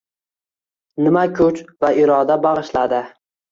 Nima kuch va iroda bag‘ishladi?